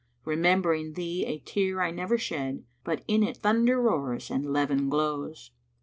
Remembering thee a tear I never shed * But in it thunder roars and leven glows."